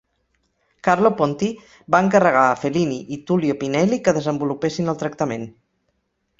Carlo Ponti va encarregar a Fellini i Tullio Pinelli que desenvolupessin el tractament.